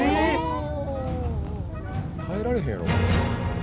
耐えられへんやろ。